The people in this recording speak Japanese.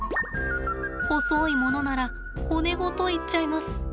細いものなら骨ごといっちゃいます。